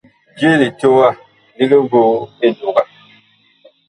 Je litowa lig voo eduga.